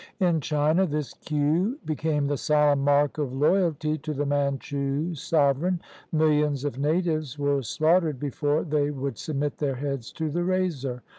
In China this queue became the solemn mark of loyalty to the Manchu sovereign. Millions of natives were slaughtered before they would submit their heads to the razor.